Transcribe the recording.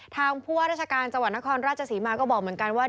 ผู้ว่าราชการจังหวัดนครราชศรีมาก็บอกเหมือนกันว่า